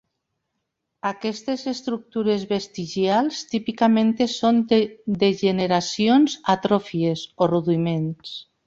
Aquestes estructures vestigials típicament són degeneracions, atròfies, o rudiments.